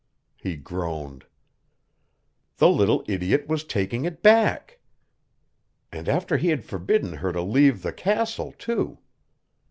He groaned. The little idiot was taking it back! And after he had forbidden her to leave the "castle" too!